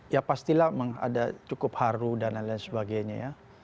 ya pastilah ada cukup haru dan lain lain sebagainya ya